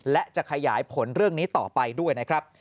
และจะขยายผลเรื่องนี้ต่อไปด้วยนะครับ